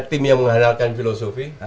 tim yang mengandalkan filosofi